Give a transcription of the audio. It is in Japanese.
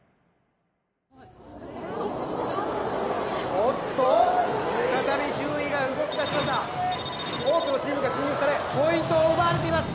・おっと再び順位が動きだしました多くのチームが侵入されポイントを奪われています